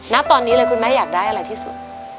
ณตอนนี้เลยคุณแม่อยากได้อะไรที่สุด